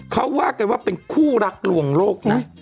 เขาว่ากันว่าเป็นคู่รักลวงโลกนะ